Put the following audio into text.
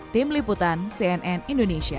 tim liputan cnn indonesia